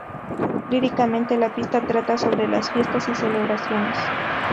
Líricamente, la pista trata sobre las fiestas y celebraciones.